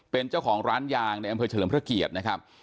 เป็นเจ้าของร้านยางในอำเภอเฉลิมพระเกียรตินะครับ